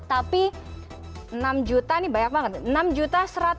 tapi enam juta ini banyak banget